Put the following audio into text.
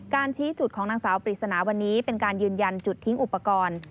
ชี้จุดของนางสาวปริศนาวันนี้เป็นการยืนยันจุดทิ้งอุปกรณ์